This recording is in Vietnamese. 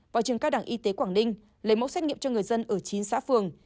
và trường các đảng y tế quảng ninh lấy mẫu xét nghiệm cho người dân ở chín xã phường